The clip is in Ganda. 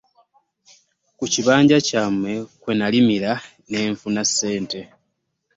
Ku kibanja kyammwe kwe nalimira ne nfuna ssente.